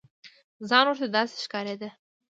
ځان ورته داسې ښکارېده.